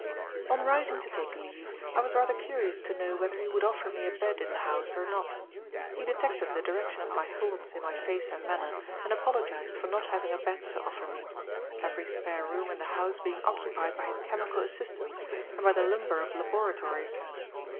On rising to take leave, I was rather curious to know whether he would offer me a bed in the house, or not. He detected the direction of my thoughts in my face and manner, and apologized for not having a bed to offer me; every spare room in the house being occupied by his chemical assistants, and by the lumber of laboratories.